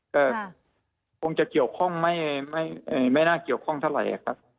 ก็คงจะเกี่ยวข้องไม่น่าเกี่ยวข้องเท่าไหร่ครับ